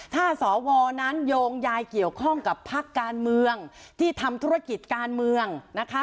ถ้าสวนั้นโยงยายเกี่ยวข้องกับพักการเมืองที่ทำธุรกิจการเมืองนะคะ